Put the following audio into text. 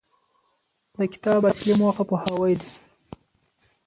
د کتاب اصلي موخه پوهاوی دی.